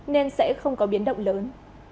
nên sẽ không có biến động lớn